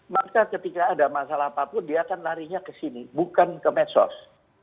maka ketika ada masalah apapun dia akan larinya ke sini bukan ke medsos